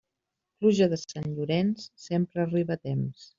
Pluja de Sant Llorenç, sempre arriba a temps.